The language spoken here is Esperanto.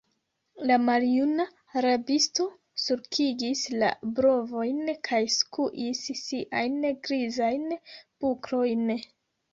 La maljuna rabisto sulkigis la brovojn kaj skuis siajn grizajn buklojn.